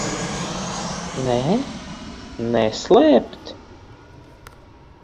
Nē? Neslēpt?